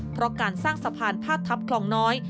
เพราะการสร้างสะพานผ้าทัพคลองน้อย